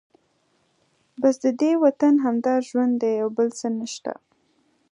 بس ددې وطن همدا ژوند دی او بل څه نشته.